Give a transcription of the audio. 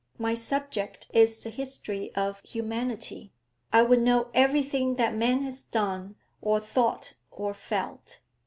My subject is the history of humanity; I would know everything that man has done or thought or felt.